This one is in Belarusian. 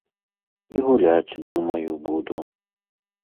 І гуляць, думаю, буду.